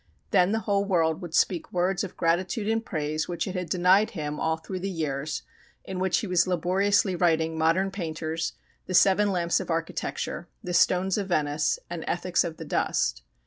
Then the whole world would speak words of gratitude and praise which it had denied him all through the years in which he was laboriously writing "Modern Painters," "The Seven Lamps of Architecture," "The Stones of Venice," and "Ethics of the Dust."